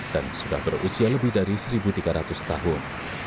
dan sudah berusia lebih dari seribu tiga ratus tahun